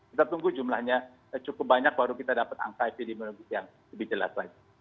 kita tunggu jumlahnya cukup banyak baru kita dapat angka epidemiologi yang lebih jelas lagi